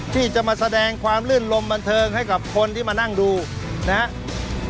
ที่จะมาแสดงความลื่นลมบันเทิงให้กับคนที่มานั่งดูนะครับ